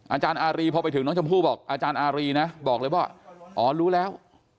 อาจารย์อารีพอไปถึงน้องชมพู่บอกอาจารย์อารีนะบอกเลยว่าอ๋อรู้แล้ว